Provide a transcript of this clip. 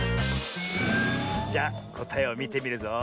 じゃこたえをみてみるぞ。